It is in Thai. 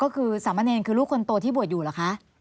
ก็คือสามะเนรคือลูกคนโตที่บวชอยู่เหรอคะ